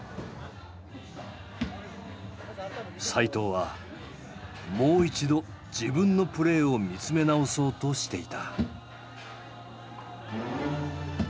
齋藤はもう一度自分のプレーを見つめ直そうとしていた。